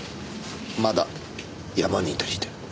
まだ山にいたりして。